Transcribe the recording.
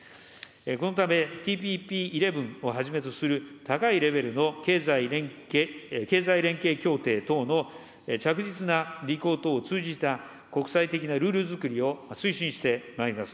このためＴＰＰ１１をはじめとする、高いレベルの経済連携協定等の着実な履行等を通じた国際的なルールづくりを推進してまいります。